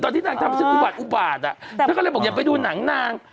ที่นางทำฉันอุบาทอุบาทอ่ะเธอก็เลยบอกอย่าไปดูหนังนาง